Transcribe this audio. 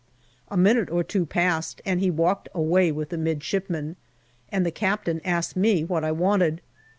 A minute or two passed and he walked away with the midshipmen, and the Captain asked me what I wanted.